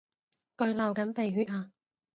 佢流緊鼻血呀